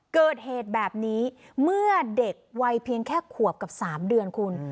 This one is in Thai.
เกิดเหตุแบบนี้เมื่อเด็กวัยเพียงแค่ขวบกับ๓เดือนคุณ